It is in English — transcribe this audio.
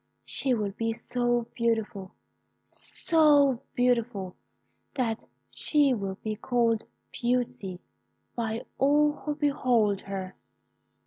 She will be so beautiful so beautiful, that she will be called Beauty by all who behold her.'